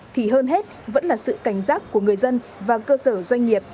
thì hơn hết vẫn là sự cảnh giác của người dân và cơ sở doanh nghiệp